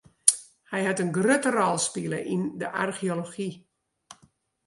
Hy hat in grutte rol spile yn de archeology.